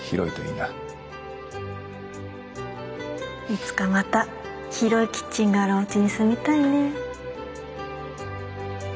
いつかまた広いキッチンがあるおうちに住みたいね。